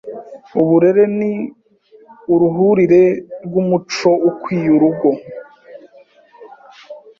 Uburere ni uruhurirene rw’umuco ukwiye urugo